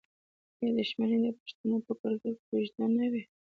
آیا دښمني د پښتنو په کلتور کې اوږده نه وي؟